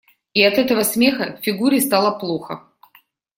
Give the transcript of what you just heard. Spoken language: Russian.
И от этого смеха Фигуре стало плохо.